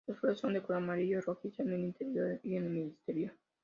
Las flores son de color amarillo rojizo en el interior y en el exterior.